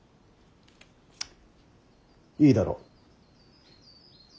いいだろう。